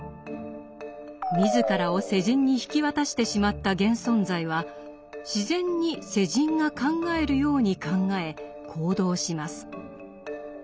自らを世人に引き渡してしまった現存在は自然に世人が考えるように考え行動します。